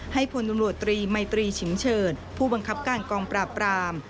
พลตำรวจตรีมัยตรีฉิมเฉิดผู้บังคับการกองปราบราม